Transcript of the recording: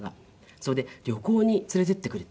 それで旅行に連れて行ってくれって。